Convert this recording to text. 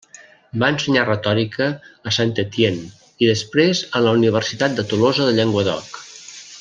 Va ensenyar retòrica a Saint-Étienne, i després en la Universitat de Tolosa de Llenguadoc.